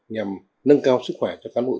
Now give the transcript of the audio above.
nhằm nâng cao sức khỏe cho cán bộ